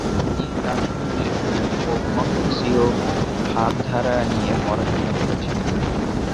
তিনি দার্শনিক লেখনী ও কনফুসীয় ভাবধারা নিয়ে পড়াশোনা করেন।